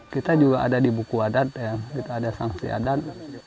kita juga ada di buku adat kita ada sanksi adat